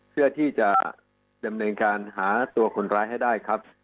เพื่อที่จะดำเนินการหาตัวคนร้ายให้ได้ครับ